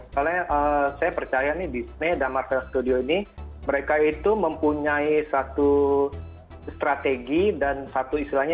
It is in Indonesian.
karena saya percaya disney dan marvel studio ini mereka itu mempunyai satu strategi dan satu istilahnya